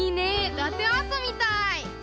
ラテアートみたい！